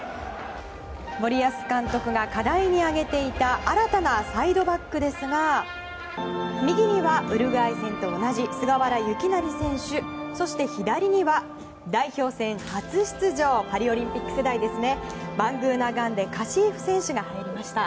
森保監督が課題に挙げていた新たなサイドバックですが右にはウルグアイ戦と同じ菅原由勢選手そして左には代表戦初出場パリオリンピック世代のバングーナガンデ佳史扶選手が入りました。